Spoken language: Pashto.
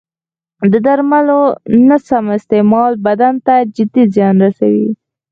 د درملو نه سم استعمال بدن ته جدي زیان رسوي.